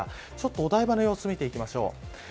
お台場の様子見ていきましょう。